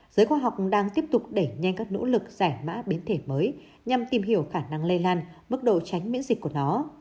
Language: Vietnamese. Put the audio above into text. giới khoa học đang tiếp tục đẩy nhanh các nỗ lực giải mã biến thể mới nhằm tìm hiểu khả năng lây lan mức độ tránh miễn dịch của nó